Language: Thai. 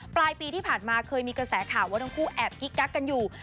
ปลายปีที่ผ่านมาเคยมีกระแสข่าวว่าทั้งคู่แอบกิ๊กกักกันอยู่